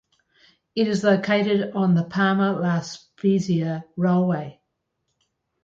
It is located on the Parma–La Spezia railway.